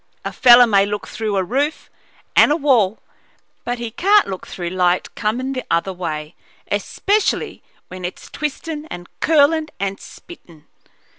A feller may look through a roof and a wall, but he can't look through light comin' the other way, especially when it's twistin' and curlin' and spittin'."